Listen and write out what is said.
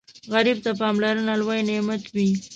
غریب ته پاملرنه لوی نعمت وي